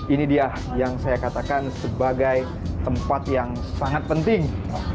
ini dia yang saya katakan sebagai tempat yang sangat penting